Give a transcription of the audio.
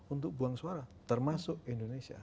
untuk buang suara termasuk indonesia